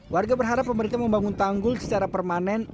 warga berharap pemerintah membangun tanggul secara permanen